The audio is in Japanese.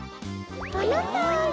このとおり。